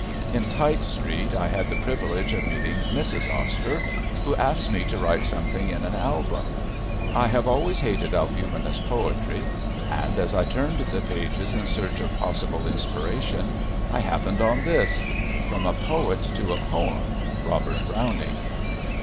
In Tite street I had the privilege of meeting Mrs. Oscar, who asked me to write something in an album. I have always hated albumenous poetry and, as I turned the pages in search of possible inspiration, I happened on this: _From a poet to a poem. Robert Browning.